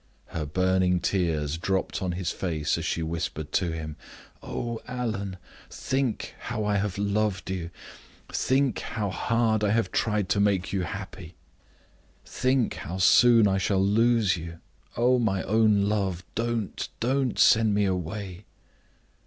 Her burning tears dropped on his face as she whispered to him: "Oh, Allan, think how I have loved you! think how hard I have tried to make you happy! think how soon I shall lose you! Oh, my own love! don't, don't send me away!"